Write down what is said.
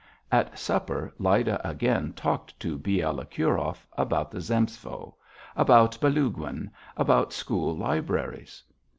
At supper Lyda again talked to Bielokurov about the Zemstvo, about Balaguin, about school libraries.